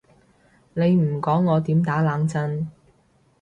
你唔講我點打冷震？